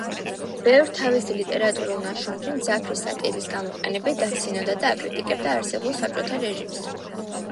ბევრ თავის ლიტერატურულ ნაშრომში მძაფრი სატირის გამოყენებით დასცინოდა და აკრიტიკებდა არსებულ საბჭოთა რეჟიმს.